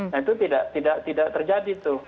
nah itu tidak terjadi tuh